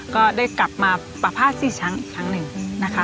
ก็ได้กลับมาปราภาษณ์สี่ชั้นอีกครั้งหนึ่งนะคะ